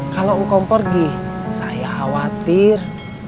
kalau engkau pergi saya khawatir